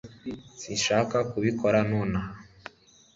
sinshaka kubikora nonaha